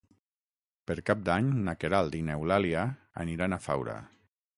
Per Cap d'Any na Queralt i n'Eulàlia aniran a Faura.